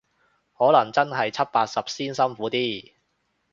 可能真係七八十先辛苦啲